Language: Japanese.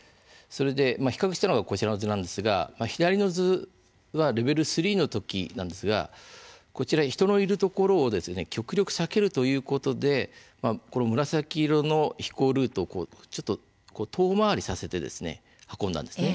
比較したのがこちらの図なんですが左の図はレベル３の時なんですが人のいるところを極力避けるということで紫色の飛行ルートを遠回りさせて運んだんです。